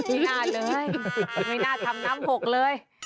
ไม่น่าเลยไม่น่าทำน้ำหกเลย